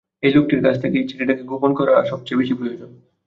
এই লোকটির কাছ থেকে এই চিঠিটাকে গোপন করা সবচেয়ে বেশি প্রয়োজন।